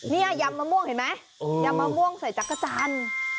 นี่ยำมะม่วงเห็นไหมยำมะม่วงใส่จักรจันทร์